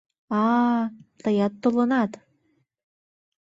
А-а, тыят толынат!..